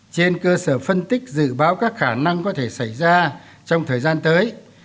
trên cơ sở phân tích dự báo các khả năng có thể xảy ra trong thời gian tới